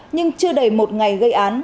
nhưng chưa đầy một ngày gây án